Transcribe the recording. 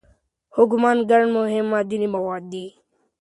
هوږه ګڼ مهم معدني مواد لري.